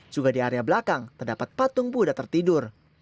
juga di area belakang terdapat patung buddha tertidur